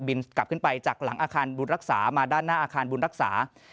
กลับขึ้นไปจากหลังอาคารบุตรรักษามาด้านหน้าอาคารบุญรักษา